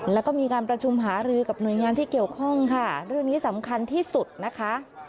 แล้วก็มีการประชุมหารือกับหน่วยงานที่เกี่ยวข้องค่ะเรื่องนี้สำคัญที่สุดนะคะ